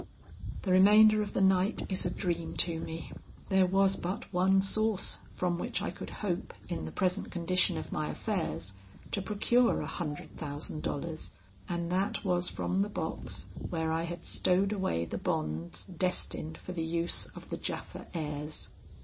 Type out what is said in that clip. "The remainder of the night is a dream to me. There was but one source from which I could hope in the present condition of my affairs, to procure a hundred thousand dollars; and that was from the box where I had stowed away the bonds destined for the use of the Japha heirs.